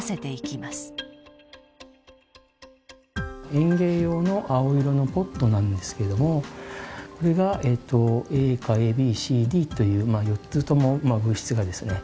園芸用の青色のポットなんですけどもこれがＡＢＣＤという４つとも物質がですね